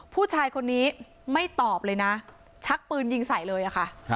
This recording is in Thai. ผู้ชายคนนี้ไม่ตอบเลยนะชักปืนยิงใส่เลยอะค่ะ